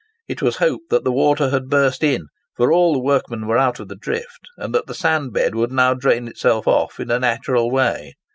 It was hoped that the water had burst in—for all the workmen were out of the drift,—and that the sand bed would now drain itself off in a natural way.